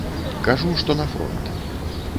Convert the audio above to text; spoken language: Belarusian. Кажу, што на фронт.